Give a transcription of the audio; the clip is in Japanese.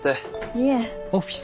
いえ。